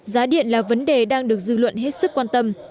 giá điện là vấn đề đang được dư luận hết sức quan tâm